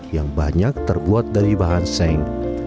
yang banyak terbuat dari bahan seng